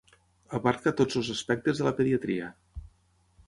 Abarca tots els aspectes de la pediatria.